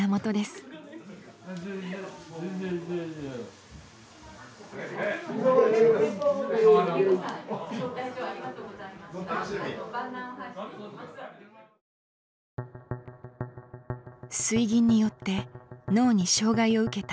水銀によって脳に障害を受けた胎児性患者。